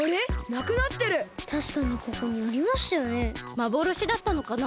まぼろしだったのかな？